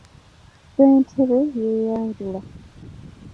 Ssentebe yeyanjula.